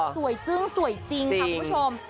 จึ้งสวยจริงค่ะคุณผู้ชม